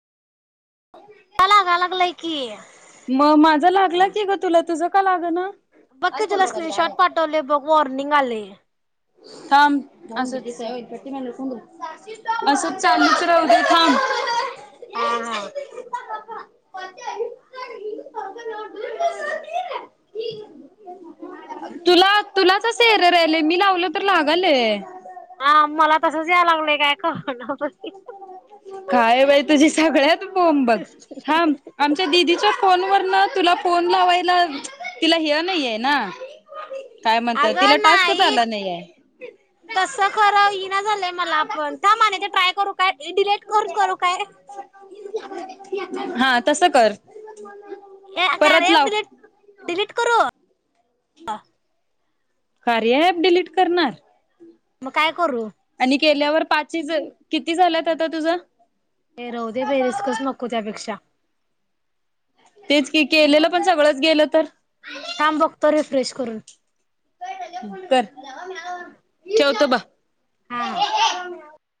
ता लागाया लागलय की मग माझा लागला की ग तुला तुझं का लाग ना बघ की तुला स्क्रीनशॉट पाठवले बघ वॉर्निंग आलय थांब असंच चालूच राहू दे थांब हा हा तुला तुला एरर आलाय मी कस लावलय बरं लागलय हा मला तस यायला लागलंय काय कळना बाई काय बाई तुझी सगळ्यात फोम बघ थांब आमच्या दिदीच्या फोन वरन तुला फोन लावायला तिला हे नाहीये ना काय म्हणतात तिला अगं टास्कच नाही आला नाहीये तस खरं येईना झालंय मला पण माने ते ट्राय करू हे डिलेट करून करू काय? हा तसं कर हे परत कार्य लाव डिलीट करू? ह [inaudible] कार्या अँप डिलीट करणार? मग काय करू? आणि केल्यावर पाचीज, किती झाल्यात आता तुझं? ये राहूदे बई रिस्कच नको त्यापेक्षा तेच की केलेलं पण सगळंच गेलं तर थांब बघतो रिफ्रेश करून हु कर ठेवतो ब हा हा